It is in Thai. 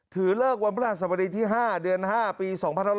ถือเลิกวันพระราชสมดีที่๕เดือน๕ปี๒๕๖๐